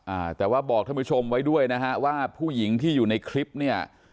อ่าแต่ว่าบอกท่านผู้ชมไว้ด้วยนะฮะว่าผู้หญิงที่อยู่ในคลิปเนี่ย